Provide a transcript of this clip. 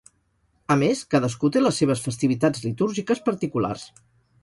A més, cadascú té les seves festivitats litúrgiques particulars.